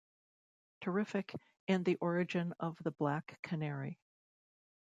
Terrific, and the origin of the Black Canary.